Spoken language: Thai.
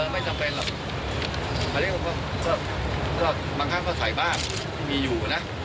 ไม่จำเป็นหรอกอันนี้ผมก็บางครั้งก็ใส่บ้านที่มีอยู่นะ